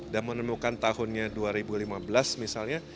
dan menemukan tahunnya dua ribu lima belas misalnya